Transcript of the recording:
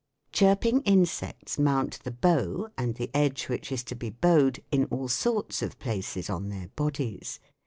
Chirping insects mount the " bow " and the edge which is to be bowed in all sorts of places on their bodies.